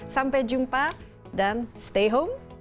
sampai jumpa dan stay home